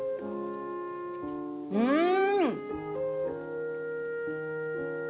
うん！